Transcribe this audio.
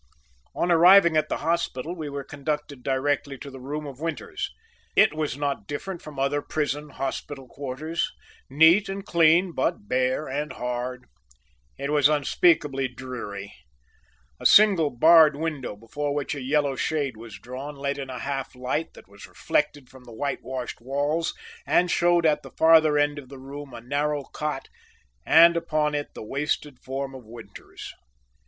On arriving at the hospital we were conducted directly to the room of Winters. It was not different from other prison hospital quarters neat and clean, but bare and hard, it was unspeakably dreary. A single barred window before which a yellow shade was drawn let in a half light that was reflected from the whitewashed walls and showed at the farther end of the room a narrow cot and upon it the wasted form of Winters.